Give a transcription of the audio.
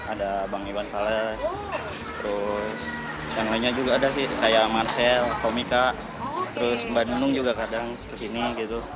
ada bang iwan pales terus yang lainnya juga ada sih kayak marcel komika terus mbak nunung juga kadang kesini gitu